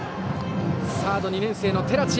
サードは２年生の寺地。